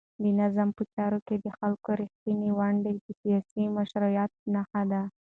د نظام په چارو کې د خلکو رښتینې ونډه د سیاسي مشروعیت نښه ده.